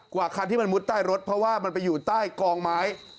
กว่าคันที่มันมุดใต้รถเพราะว่ามันไปอยู่ใต้กองไม้